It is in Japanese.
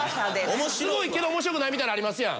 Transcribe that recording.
すごいけど面白くないみたいなのありますやん。